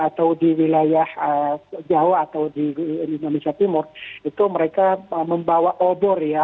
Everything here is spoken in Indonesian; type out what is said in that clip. atau di wilayah jawa atau di indonesia timur itu mereka membawa obor ya